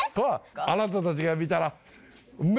あなたたちが見たら。